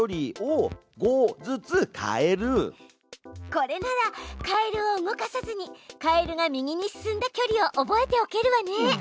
これならカエルを動かさずにカエルが右に進んだ距離を覚えておけるわね。